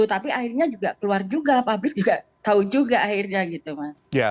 tapi akhirnya juga keluar juga publik juga tahu juga akhirnya gitu mas